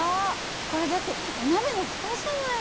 これだってお鍋の蓋じゃない！